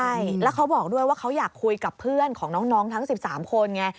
ใช่แล้วเขาบอกด้วยว่าเขาอยากคุยกับเพื่อนของน้องทั้ง๑๓คนไง